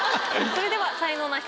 それでは才能ナシ